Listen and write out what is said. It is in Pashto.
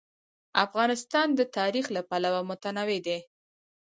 افغانستان د تاریخ له پلوه متنوع دی.